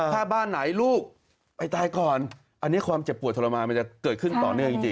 ถ้าบ้านไหนลูกไปตายก่อนอันนี้ความเจ็บปวดทรมานมันจะเกิดขึ้นต่อเนื่องจริง